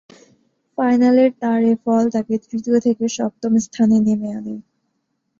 ফাইনালের তার এ ফল তাকে তৃতীয় থেকে সপ্তম স্থানে নেমে আনে।